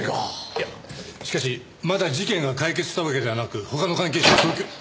いやしかしまだ事件が解決したわけではなく他の関係者を早急に。